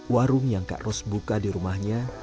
warung yang kak ros buka di rumahnya